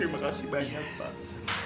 terima kasih banyak pak